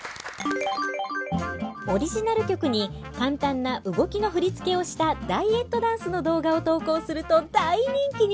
オリジナル曲に簡単な動きの振り付けをしたダイエットダンスの動画を投稿すると大人気に！